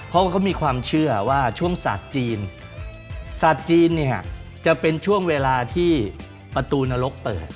เพราะว่าเขามีความเชื่อว่าช่วงศาสตร์จีนศาสตร์จีนเนี่ยจะเป็นช่วงเวลาที่ประตูนรกเปิด